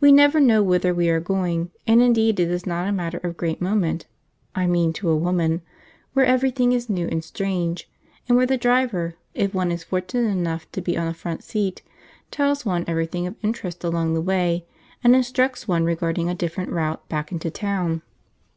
We never know whither we are going, and indeed it is not a matter of great moment (I mean to a woman) where everything is new and strange, and where the driver, if one is fortunate enough to be on a front seat, tells one everything of interest along the way, and instructs one regarding a different route back to town.